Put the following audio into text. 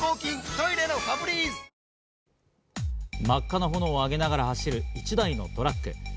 真っ赤な炎を上げながら走る１台のトラック。